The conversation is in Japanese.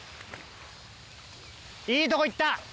いいとこいった。